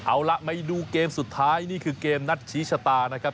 เอาล่ะไปดูเกมสุดท้ายนี่คือเกมนัดชี้ชะตานะครับ